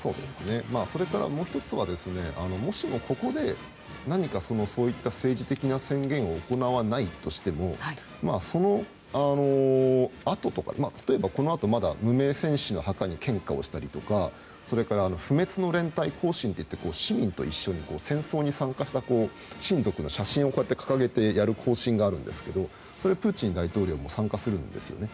それからもう１つはもしもここで何かそういった政治的な宣言を行わないとしてもそのあととか例えばこのあと無名戦士の墓に献花をしたりとかそれから不滅の連隊行進といって市民と一緒に戦争に参加した親族の写真を掲げて、やる行進があるんですがそれにプーチン大統領も参加するんですよね。